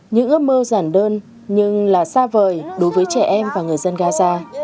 những ước mơ giản đơn nhưng là xa vời đối với trẻ em và người dân gaza